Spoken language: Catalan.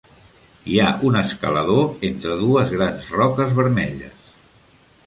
hi ha un escalador entre dues grans roques vermelles.